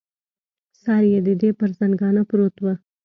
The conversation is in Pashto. سر یې د دې پر زنګانه پروت و.